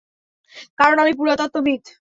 কারণ আমি পুরাতত্ত্ববিদ।